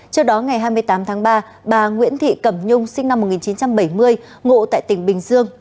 trước đó ngày hai mươi tám tháng ba bà nguyễn thị cẩm nhung sinh năm một nghìn chín trăm bảy mươi ngộ tại tỉnh bình dương